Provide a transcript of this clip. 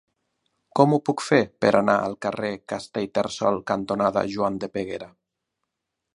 Com ho puc fer per anar al carrer Castellterçol cantonada Joan de Peguera?